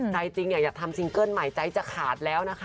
ใจจริงอยากทำซิงเกิ้ลใหม่ใจจะขาดแล้วนะคะ